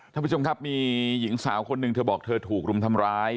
ท่านผู้ชมครับมีหญิงสาวคนหนึ่งเธอบอกเธอถูกรุมทำร้าย